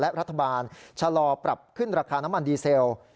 และรัฐบาลชะลอปรับขึ้นราคาน้ำมันดีเซล